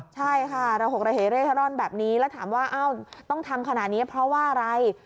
ใช่ค่ะระหกระเหเร่ร่อนแบบนี้แล้วถามว่าต้องทำขนาดนี้เพราะว่าอะไร